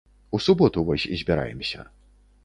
У суботу вось збіраемся.